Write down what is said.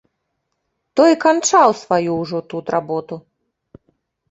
Той канчаў сваю ўжо тут работу.